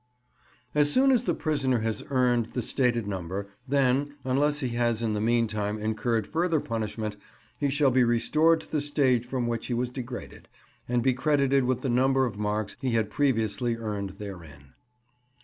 As soon as the prisoner has earned the stated number, then, unless he has in the meantime incurred further punishment, he shall be restored to the stage from which he was degraded, and be credited with the number of marks he had previously earned therein.